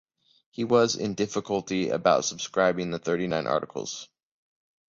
He was in difficulty about subscribing the Thirty-Nine Articles.